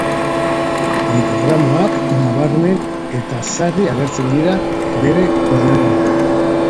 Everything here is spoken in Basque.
Mikrogramoak nabarmen eta sarri agertzen dira bere koadernoetan.